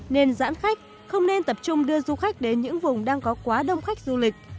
nên giãn khách không nên tập trung đưa du khách đến những vùng đang có quá đông khách du lịch